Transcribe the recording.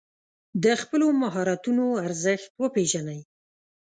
د خپلو مهارتونو ارزښت وپېژنئ.